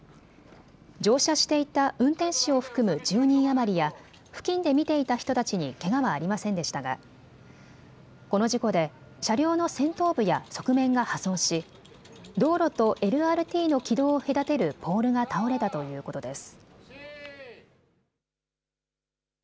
乗車していた運転士を含む１０人余りや付近で見ていた人たちにけがはありませんでしたがこの事故で車両の先頭部や側面が破損し道路とＬＲＴの軌道を隔てるポールが倒れたということです。